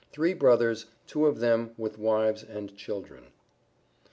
THREE BROTHERS, TWO OF THEM WITH WIVES AND CHILDREN.